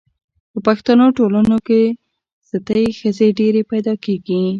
په پښتنو ټولنو کي ستۍ ښځي ډیري پیدا کیږي